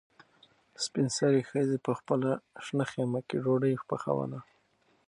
سپین سرې ښځې په خپله شنه خیمه کې ډوډۍ پخوله.